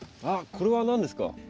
あっこれは何ですか？